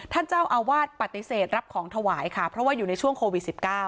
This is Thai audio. ท่านเจ้าอาวาสปฏิเสธรับของถวายค่ะเพราะว่าอยู่ในช่วงโควิด๑๙